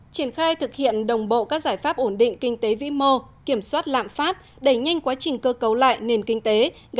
triển khai thực hiện đồng bộ các giải pháp ổn định kinh tế vĩ mô kiểm soát lạm phát đẩy nhanh quá trình cơ cấu lại nền kinh tế